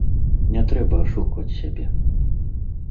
Не трэба ашукваць сябе.